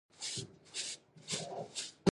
په ټي وي کښې چې سورمخى ښکاره سو.